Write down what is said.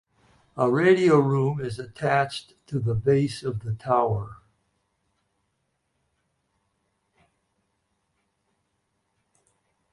A radio room is attached to the base of the tower.